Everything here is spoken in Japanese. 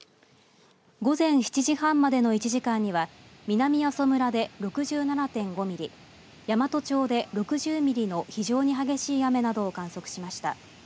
午前７時半までの１時間には南阿蘇村で６７．５ミリ山都町で６０ミリの非常に激しい雨などを観測しました。